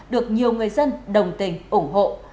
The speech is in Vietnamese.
được nhiều người dân đồng tình ủng hộ